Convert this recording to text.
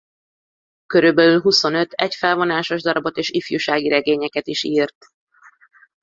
Körülbelül huszonöt egyfelvonásos darabot és ifjúsági regényeket is írt.